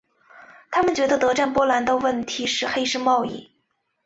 他们觉得德占波兰的问题是黑市贸易。